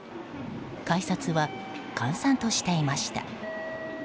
改札は、閑散としていました。